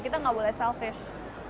kita nggak boleh selfish